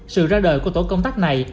sự ra đời của tổ công tác này